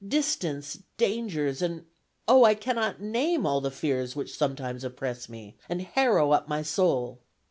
Distance, dangers, and oh, I cannot name all the fears which sometimes oppress me, and harrow up my soul.